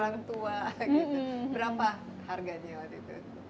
orang tua gitu berapa harganya waktu itu